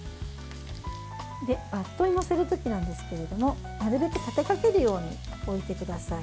バットに載せる時なんですけどなるべく立てかけるようにして置いてください。